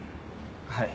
はい。